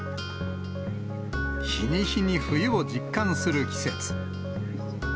日に日に冬を実感する季節。